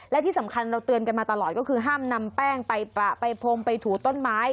และที่สำคัญเราเตือนกันมาตลอดก็คือห้ามนำแป้งไปประไปพรมไปถูต้นไม้